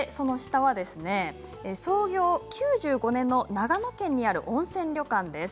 そして創業９５年の長野県にある温泉旅館です。